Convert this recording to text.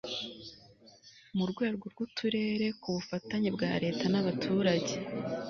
mu rwego rw'uturere ku bufatanye bwa leta n'abaturage